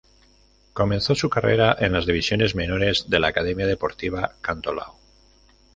Comenzó su carrera en las divisiones menores de la Academia Deportiva Cantolao.